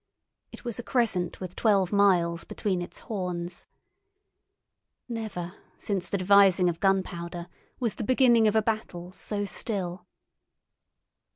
It was a crescent with twelve miles between its horns. Never since the devising of gunpowder was the beginning of a battle so still.